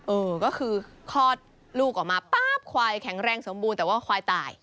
เออก็คือคลอดลูกออกมาป๊าบควายแข็งแรงสมบูรณ์แต่ว่าควายตาย